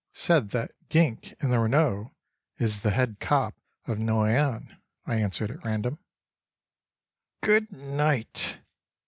"Said that gink in the Renault is the head cop of Noyon," I answered at random. "GOODNIGHT.